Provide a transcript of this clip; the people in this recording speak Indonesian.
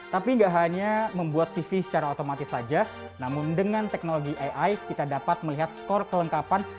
tapi nggak hanya membuat cv secara otomatis saja namun dengan teknologi ai kita dapat melihat skor kelengkapan